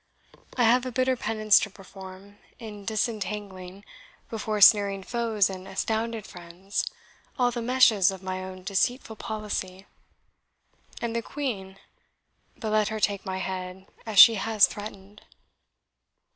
I have a bitter penance to perform, in disentangling, before sneering foes and astounded friends, all the meshes of my own deceitful policy. And the Queen but let her take my head, as she has threatened."